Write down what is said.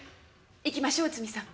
行きましょう内海さん。